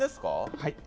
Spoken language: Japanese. はい。